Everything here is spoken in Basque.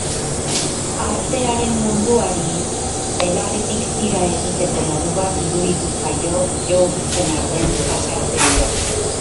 Artearen munduari belarritik tira egiteko modu bat iruditu zaio Yourcenarren pasarte hura.